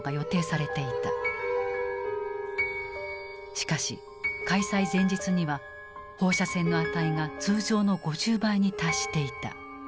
しかし開催前日には放射線の値が通常の５０倍に達していた。